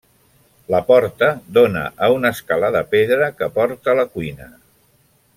La porta dóna a una escala de pedra que porta a la cuina.